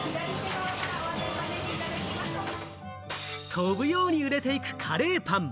飛ぶように売れていくカレーパン。